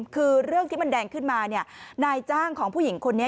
คือเรื่องที่มันแดงขึ้นมานายจ้างของผู้หญิงคนนี้